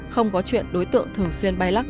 không có chuyện đối tượng thường xuyên bay lắc